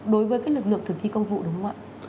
đối với lực lượng thực thi công vụ đúng không ạ